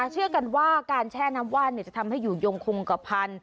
จังหวัดพัทธลุงฮะ